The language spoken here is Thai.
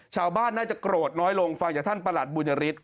ชาวบ้านน่าจะโกรธน้อยลงฟังจากท่านประหลัดบุญยฤทธ